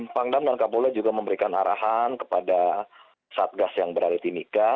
pangdam dan kapolda juga memberikan arahan kepada satgas yang berada di timika